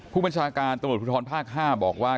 ผู้บัญชาการตำรวจภูทรภาค๕บอกว่า